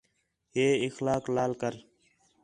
ہے اخلاق لال کر